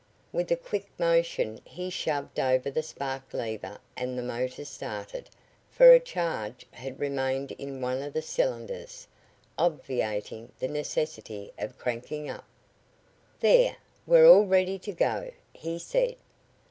With a quick motion he shoved over the spark lever and the motor started, for a charge had remained in one of the cylinders, obviating the necessity of cranking up. "There, we're all ready to go," he said.